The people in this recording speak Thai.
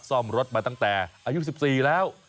ซ่อมรถมาตั้งแต่อายุ๑๔แล้ว